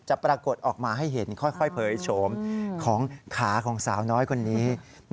ปรากฏออกมาให้เห็นค่อยเผยโฉมของขาของสาวน้อยคนนี้